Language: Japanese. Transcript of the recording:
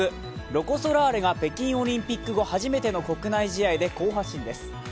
ロコ・ソラーレが北京オリンピック後、初めての国内試合で好発進です。